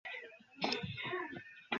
এসব কেহ শেখায় না।